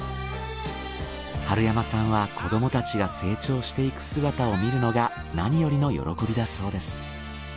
春山さんは子どもたちが成長していく姿を見るのがなによりの喜びだそうです。